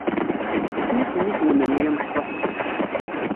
Isem-is mmi-twen-nni amectuḥ?